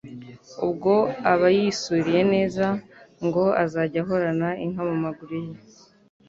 ubwo abayisuriye neza, ngo azajya ahorana inka ku maguru ye